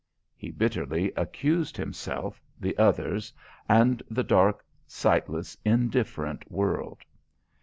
He bitterly accused himself, the others, and the dark, sightless, indifferent world.